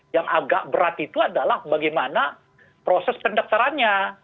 yang agak berat itu adalah bagaimana proses pendaftarannya